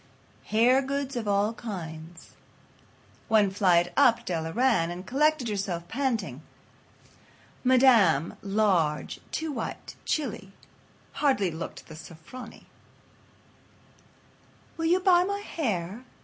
Hair Goods of All Kinds." One flight up Della ran, and collected herself, panting. Madame, large, too white, chilly, hardly looked the "Sofronie." "Will you buy my hair?"